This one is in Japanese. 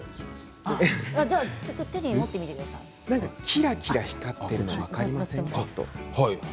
キラキラ光っているのが分かりませんか？